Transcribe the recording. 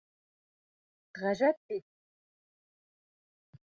Ғәжәп бит.